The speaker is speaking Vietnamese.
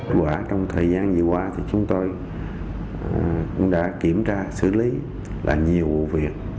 kết quả trong thời gian vừa qua thì chúng tôi cũng đã kiểm tra xử lý là nhiều vụ việc